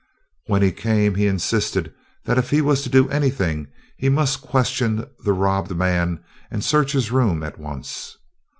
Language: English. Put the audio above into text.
When he came he insisted that if he was to do anything he must question the robbed man and search his room at once.